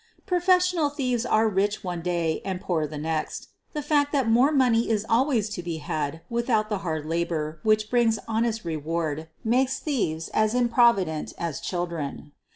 Professional thieves are rich one day and poor the iiext. The fact that more money is always to be had without the hard labor which brings honest reward makes thieves as improvident as children.